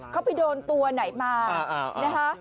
เขาไปโดนตัวไหนมานะคะ